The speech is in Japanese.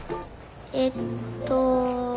えっと。